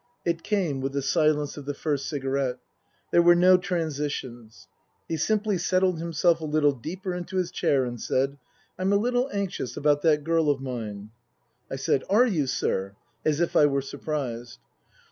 It came with the silence of the first cigarette. There were no transitions. He simply settled himself a little deeper into his chair and said, " I'm a little anxious about that girl of mine." I said, " Are you, sir ?" as if I were surprised.